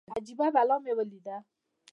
اجبه بلا مې وليده.